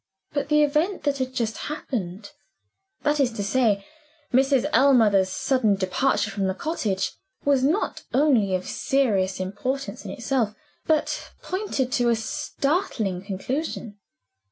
But the event which had just happened that is to say, Mrs. Ellmother's sudden departure from the cottage was not only of serious importance in itself, but pointed to a startling conclusion.